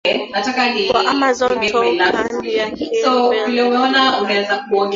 wa Amazon toucan ya keel billed inajulikana